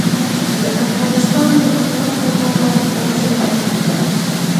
د افغانستان د حکومت لپاره لازمه وه.